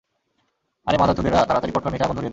আরে মাদারচোদেরা, তাড়াতাড়ি পটকার নিচে আগুন ধরিয়ে দে!